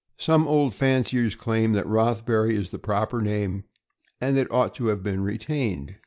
Some old fanciers claim that Rothbury is tlie proper name and that it ought to have been retained.